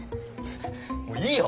もういいよ。